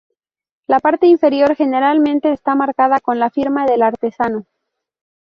La parte inferior generalmente está marcada con la firma del artesano.